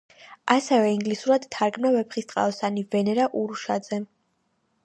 ასევე ინგლისურად თარგმნა „ვეფხისტყაოსანი“ ვენერა ურუშაძემ.